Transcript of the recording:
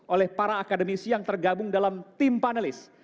oleh para akademisi yang tergabung dalam tim panelis